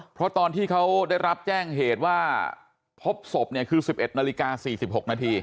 เพราะตอนที่เขาได้รับแจ้งเหตุว่าพบศพเนี่ยคือ๑๑นาฬิกา๔๖นาที